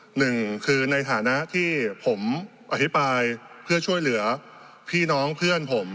หนึ่งคือในฐานะที่ผมอภิปรายเพื่อช่วยเหลือพี่น้องเพื่อนผม